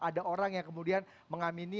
ada orang yang kemudian mengamini